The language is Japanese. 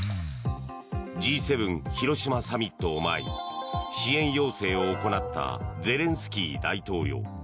Ｇ７広島サミットを前に支援要請を行ったゼレンスキー大統領。